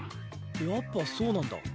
やっぱそうなんだ。